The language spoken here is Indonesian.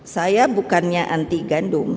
saya bukannya anti gandum